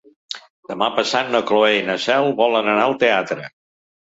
Demà passat na Cloè i na Cel volen anar al teatre.